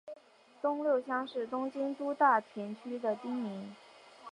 东六乡是东京都大田区的町名。